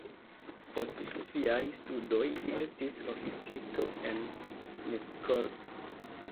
Post siaj studoj li estis oficisto en Miskolc.